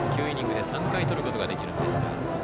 ９イニングで３回とることができるんですが。